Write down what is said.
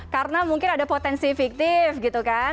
karena mungkin ada potensi fiktif gitu kan